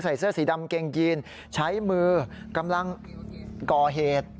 เสื้อสีดำเกงยีนใช้มือกำลังก่อเหตุ